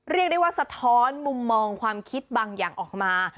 เรียกได้ว่าสะท้อนมุมมองความคิดบางอย่างออกมา